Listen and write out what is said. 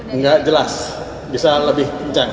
enggak jelas bisa lebih kencang